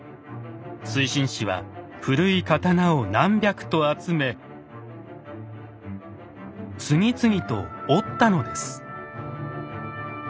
水心子は古い刀を何百と集め次々と折ったのです。